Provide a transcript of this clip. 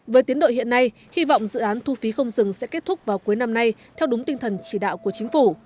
với tiến đội hiện nay hy vọng dự án thu phí không dừng sẽ kết thúc vào cuối năm nay theo đúng tinh thần chỉ đạo của chính phủ